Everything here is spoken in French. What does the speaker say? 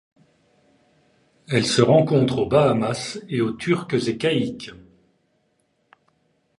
Elle se rencontre aux Bahamas et aux Turques-et-Caïques.